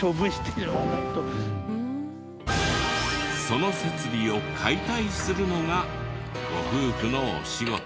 その設備を解体するのがご夫婦のお仕事。